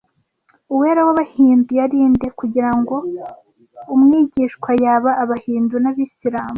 Uwera w'Abahindu yari nde kugira umwigishwa yaba Abahindu n'Abisilamu